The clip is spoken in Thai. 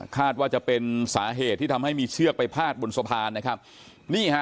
ว่าจะเป็นสาเหตุที่ทำให้มีเชือกไปพาดบนสะพานนะครับนี่ฮะ